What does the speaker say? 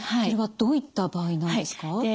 それはどういった場合なんですか？